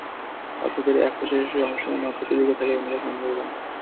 অর্থাৎ, এদের একপাশ সবসময় নক্ষত্রের দিকে থাকে, আরেকপাশ অন্ধকারের পানে।